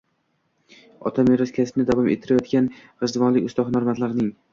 Ota meros kasbni davom ettirayotgan g‘ijduvonlik usta hunarmandlarng